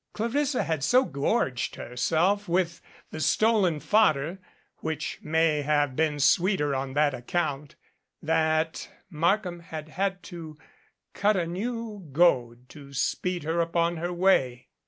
Clarissa had so gorged herself with the stolen fodder (which may have been sweeter on that account) that Markham had to cut a new goad to speed her upon her way.